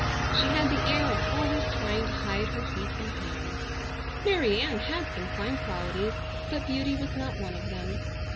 She had the air of always trying to hide her feet and hands. Mary Ann had some fine qualities, but beauty was not one of them.